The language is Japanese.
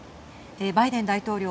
バイデン大統領